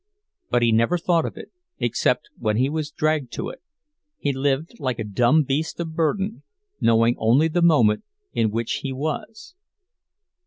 But he never thought of it, except when he was dragged to it—he lived like a dumb beast of burden, knowing only the moment in which he was.